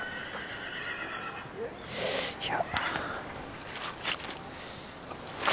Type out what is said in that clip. いや。